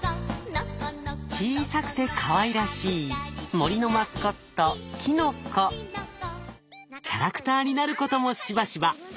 小さくてかわいらしい森のマスコットキャラクターになることもしばしば。